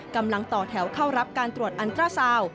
กำลังต่อแถวเข้ารับการตรวจอันตราซาว